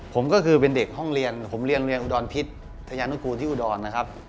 ผมก็คือเป็นเด็กห้องเรียนผมเรียนเรียนอุดรพิษทยานุกูลที่อุดรนะครับ